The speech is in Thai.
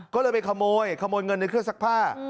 ก็เลยไปขโมยขโมยเงินในเครื่องซักผ้า